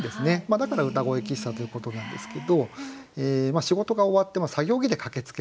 だからうたごえ喫茶ということなんですけど仕事が終わって作業着で駆けつけると。